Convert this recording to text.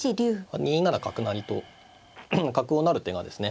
２七角成と角を成る手がですね